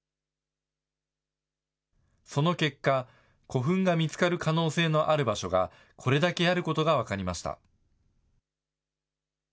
その結果、古墳が見つかる可能性のある場所がこれだけあることが分かりました。